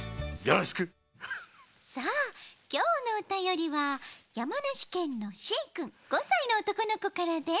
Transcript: さあきょうのおたよりはやまなしけんのＣくん５さいのおとこのこからです。